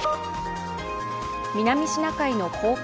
南シナ海の黄海